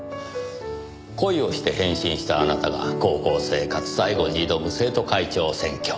恋をして変身したあなたが高校生活最後に挑む生徒会長選挙。